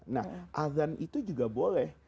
nah azan itu juga boleh